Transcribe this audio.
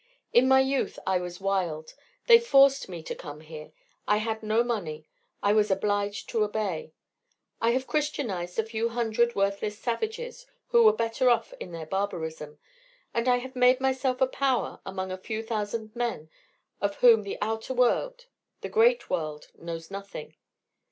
In my youth I was wild. They forced me to come here. I had no money. I was obliged to obey. I have christianized a few hundred worthless savages who were better off in their barbarism, and I have made myself a power among a few thousand men of whom the outer world, the great world, knows nothing.